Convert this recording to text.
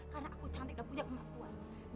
karena aku cantik dan punya kemampuan